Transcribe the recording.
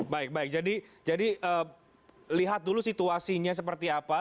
baik baik jadi lihat dulu situasinya seperti apa